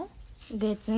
別に。